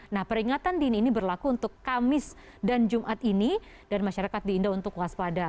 nah peringatan dini ini berlaku untuk kamis dan jumat ini dan masyarakat di indah untuk waspada